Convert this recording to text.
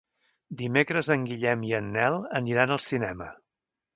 Dimecres en Guillem i en Nel aniran al cinema.